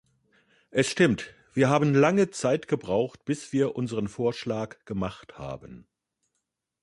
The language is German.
Es stimmt, wir haben lange Zeit gebraucht, bis wir unseren Vorschlag gemacht haben.